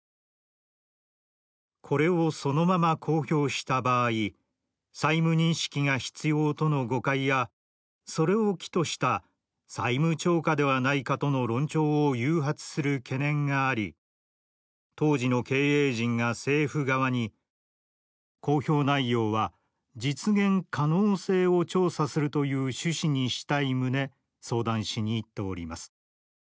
「これをそのまま公表した場合債務認識が必要との誤解やそれを機とした債務超過ではないかとの論調を誘発する懸念があり当時の経営陣が政府側に『公表内容は実現可能性を調査するという趣旨にしたい』旨相談しに行っております。